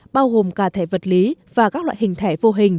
bao gồm cả thẻ vật lý và các loại hình thẻ vô hình